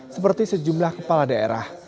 seperti sejumlah kepala daerah